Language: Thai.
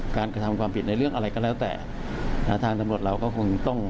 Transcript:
กระทำความผิดในเรื่องอะไรก็แล้วแต่ทางตำรวจเราก็คงต้อง